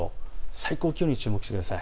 最高気温に注目してください。